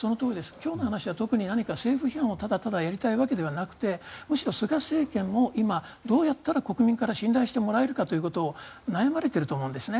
今日の話は特に政府批判をただただやりたいわけではなくてむしろ菅政権を今、どうやったら国民から信頼してもらえるかということを悩まれていると思うんですね。